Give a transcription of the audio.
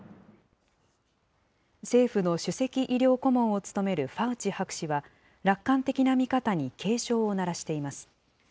政府の首席医療顧問を務めるファウチ博士は、楽観的な見方に警鐘を鳴らしています。